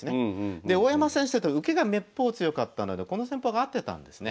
で大山先生って受けがめっぽう強かったのでこの戦法が合ってたんですね。